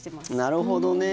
なるほどね。